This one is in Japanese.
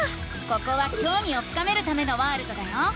ここはきょうみを深めるためのワールドだよ。